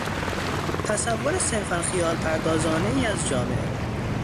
تصور صرفا خیال پردازانهای از جامعه